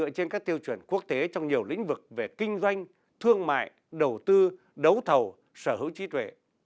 dựa trên các tiêu chuẩn quốc tế trong nhiều lĩnh vực về kinh doanh thương mại đầu tư đấu thầu sở hữu trí tuệ